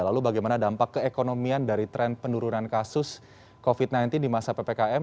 lalu bagaimana dampak keekonomian dari tren penurunan kasus covid sembilan belas di masa ppkm